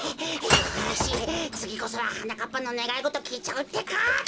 よしつぎこそははなかっぱのねがいごときいちゃうってか。